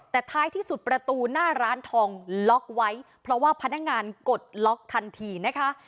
แต่ท้ายที่สุดประตูหน้าร้านทองล็อกไว้เพราะว่าพนักงานกดล็อกทันทีนะคะ